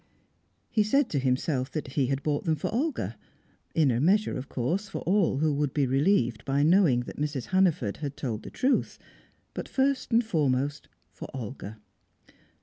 He said to himself that he had bought them for Olga. In a measure, of course, for all who would be relieved by knowing that Mrs. Hannaford had told the truth; but first and foremost for Olga.